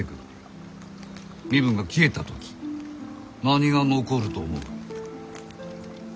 身分が消えた時何が残ると思う？